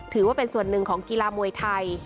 ถือว่าเป็นส่วนหนึ่งของกีฬามวยไทย